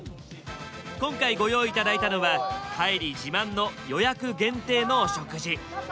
今回ご用意頂いたのは海里自慢の予約限定のお食事。